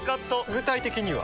具体的には？